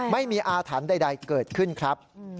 ไม่มีอาถรรพ์ใดเกิดขึ้นครับ